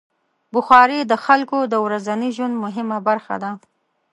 بخاري د خلکو د ورځني ژوند مهمه برخه ده.